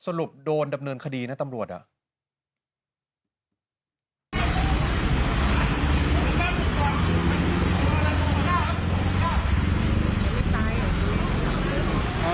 สรุปโดนดำเนินคดีนะตำรวจอ่ะ